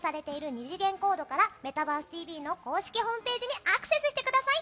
２次元コードから「メタバースＴＶ！！」の公式ホームページにアクセスしてください。